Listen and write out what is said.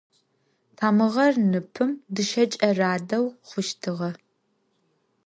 Тамыгъэр ныпым дышъэкӏэ радэу хъущтыгъэ.